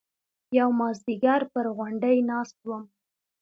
يو مازديگر پر غونډۍ ناست وم.